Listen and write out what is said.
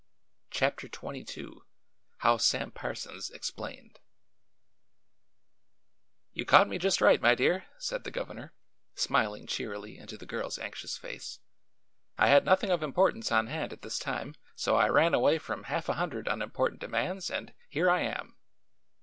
CHAPTER XXII HOW SAM PARSONS EXPLAINED "You caught me just right, my dear," said the governor, smiling cheerily into the girl's anxious face. "I had nothing of importance on hand at this time, so I ran away from half a hundred unimportant demands and here I am."